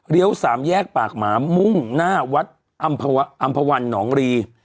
เรียว๓แยกปากหมามุ่งหน้าวัดอำภวัณฑ์หนองรี